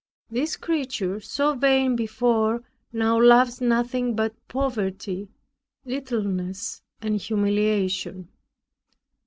This creature so vain before now loves nothing but poverty, littleness and humiliation.